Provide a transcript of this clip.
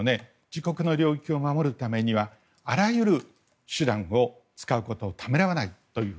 自国の領域を守るためにはあらゆる手段を使うことをためらわないという。